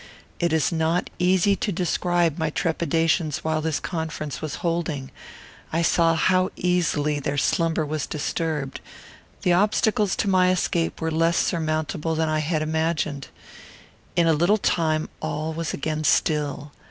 It is not easy to describe my trepidations while this conference was holding. I saw how easily their slumber was disturbed. The obstacles to my escape were less surmountable than I had imagined. In a little time all was again still.